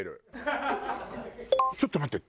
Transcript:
ちょっと待って。